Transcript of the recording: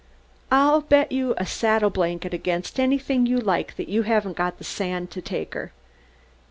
I'll bet you a saddle blanket against anything you like that you haven't got the sand to take her."